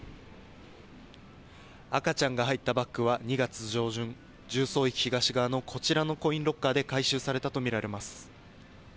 赤ちゃんが入ったバッグは、２月上旬、十三駅東側のこちらのコインロッカーで回収されたと見られます。